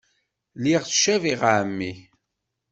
Lliɣ ttcabiɣ ɛemmi.